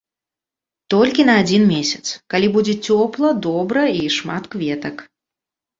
Толькі на адзін месяц, калі будзе цёпла, добра і шмат кветак.